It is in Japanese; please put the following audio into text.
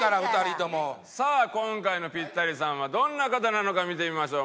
さあ今回のピッタリさんはどんな方なのか見てみましょう。